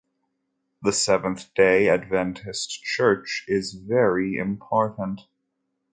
The Seventh-day Adventist Church, is very important.